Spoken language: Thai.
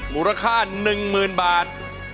มูลค่า๑๐๐๐บาท